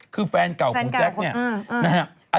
คือแฟนเก่าของแจ๊กเนี่ย